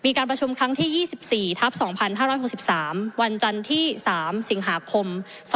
มีการประชุมครั้งที่๒๔ทับ๒๕๖๓วันจันทร์ที่๓สิงหาคม๒๕๖